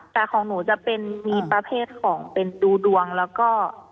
แต่ของหนูจะเป็นมีประเภทของเป็นดูดวงแล้วก็